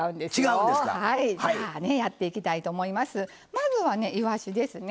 まずはねいわしですね